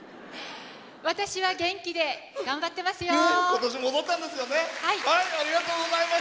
私は元気で頑張ってますよ！